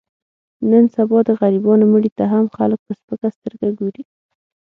نن سبا د غریبانو مړي ته هم خلک په سپکه سترګه ګوري.